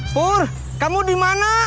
pur kamu dimana